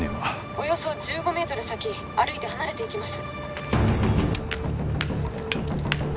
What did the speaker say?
およそ１５メートル先歩いて離れていきます